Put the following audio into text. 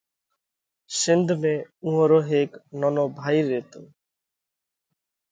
شنڌ ۾ اُوئون رو هيڪ نونو ڀائِي ريتو۔